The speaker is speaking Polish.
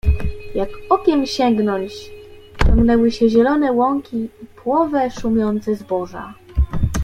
"Jak okiem sięgnąć, ciągnęły się zielone łąki i płowe, szumiące zboża."